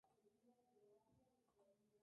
No hay más cera que la que arde